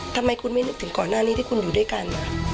ทำไมคุณไม่นึกถึงก่อนหน้านี้ที่คุณอยู่ด้วยกัน